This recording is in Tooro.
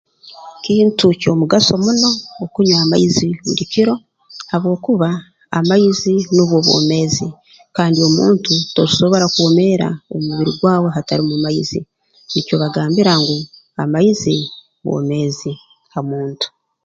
Kintu ky'omugaso muno okunywa amaizi buli kiro habwokuba amaizi nubwo bwomeezi kandi omuntu tosobora kwomeera omu mubiri gwawe hatarumu maizi nikyo bagambira ngu amaizi bwomeezi ha muntu